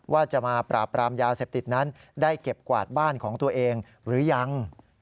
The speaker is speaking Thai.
ว่าจะมาปราบปรามยาเสพติดนั้นได้เก็บกวาดบ้านของตัวเองหรือยัง